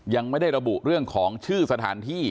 ยังไม่ได้ระบุเรื่องของชื่อสถานที่